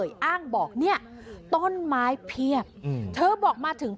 สุดทนแล้วกับเพื่อนบ้านรายนี้ที่อยู่ข้างกัน